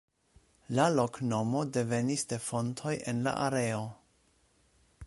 La loknomo devenis de fontoj en la areo.